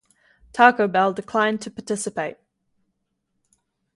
Taco Bell declined to participate.